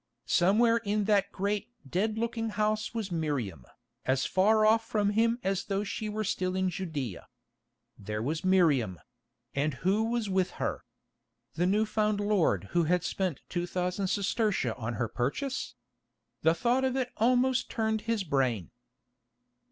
Somewhere in that great dead looking house was Miriam, as far off from him as though she were still in Judæa. There was Miriam—and who was with her? The new found lord who had spent two thousand sestertia on her purchase? The thought of it almost turned his brain.